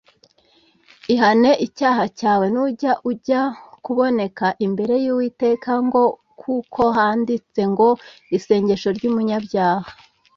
Ihane icyaha cyawe nujya ujya kuboneka imbere y Uwiteka ngo kuko handitse ngo “isengesho ry’umunyabyaha”.